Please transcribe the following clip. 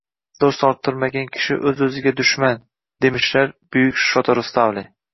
Do‘st orttirmagan kishi o‘zi-o‘ziga dushman, demishlar buyuk Shota Rustaveli.